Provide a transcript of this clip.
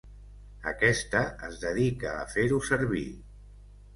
Aquesta es dedica a fer-ho servir.